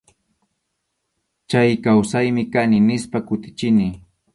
Chay kawsaymi kani, nispa kutichini.